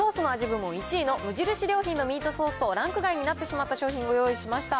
部門の１位の無印良品のミートソースと、ランク外になってしまった商品をご用意しました。